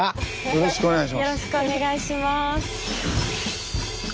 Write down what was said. よろしくお願いします。